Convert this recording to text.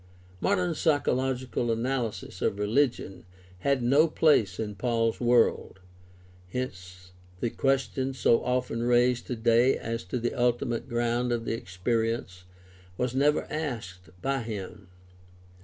Modern psychological analysis of religion had no place in Paul's world; hence the question so often raised today as to the ultimate ground of the experi ence was never asked by him.